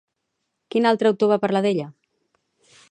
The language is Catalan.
Quin altre autor va parlar d'ella?